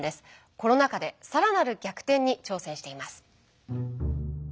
コロナ禍でさらなる逆転に挑戦しています。